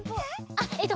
あっえっと